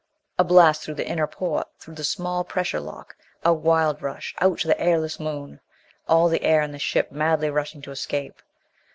A blast through the inner port through the small pressure lock a wild rush, out to the airless Moon. All the air in the ship madly rushing to escape....